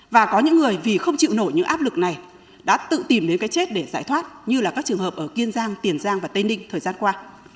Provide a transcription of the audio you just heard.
và có những người vì không chịu nổi những áp lực này đã tự tìm đến cái chết để giải thoát như là các trường hợp ở kiên giang tiền giang và tây ninh thời gian qua